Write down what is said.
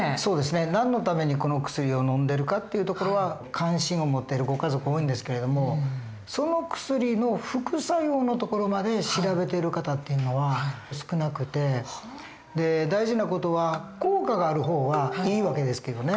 何のためにこの薬をのんでるかっていうところは関心を持ってるご家族多いんですけれどもその薬の副作用のところまで調べてる方っていうのは少なくて大事な事は効果がある方はいい訳ですけどね。